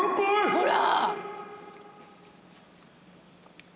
ほら。